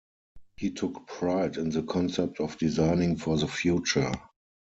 He took pride in the concept of designing for the future.